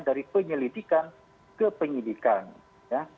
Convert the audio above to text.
dari penyelidikan ke penyidikan ya